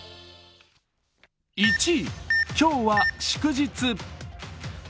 １位、今日は祝日。